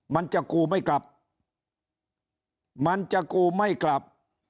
มันจะกูไม่กลับมันจะกูไม่กลับ